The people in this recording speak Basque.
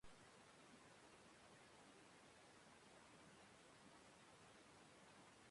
Tortura aztarna nabarmenak zituen gorputzean.